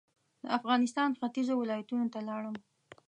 د افغانستان ختيځو ولایتونو ته لاړم.